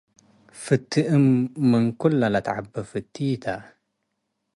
ፍቲ'- እም ምን ክለ ለተዐቤ ፍቲ' ተ።